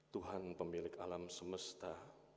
tuhan pemilik alam semesta